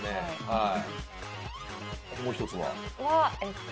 はい。